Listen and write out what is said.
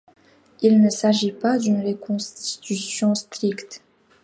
Il ne s'agit pas d'une reconstitution stricte.